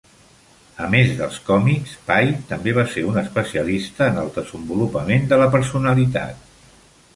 A més dels còmics, Pai també va ser un especialista en el desenvolupament de la personalitat.